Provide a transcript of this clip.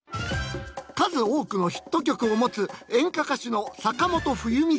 数多くのヒット曲を持つ演歌歌手の坂本冬美さん。